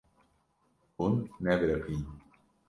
Hûn nebiriqîn.